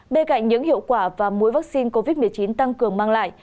bên cạnh những hiệu quả và mũi vaccine covid một mươi chín tăng cường mang lại